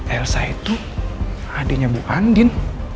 elsa itu adeknya bu andin